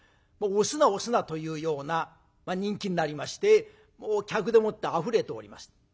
押すな押すなというような人気になりまして客でもってあふれておりました。